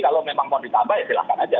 kalau memang mau ditambah ya silahkan aja